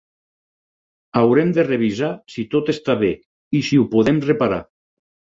Haurem de revisar si tot està bé i si ho podem reparar.